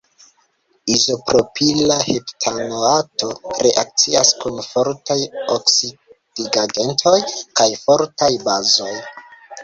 Izopropila heptanoato reakcias kun fortaj oksidigagentoj kaj fortaj bazoj.